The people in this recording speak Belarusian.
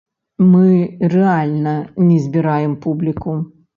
Мы рэальна не збіраем публіку.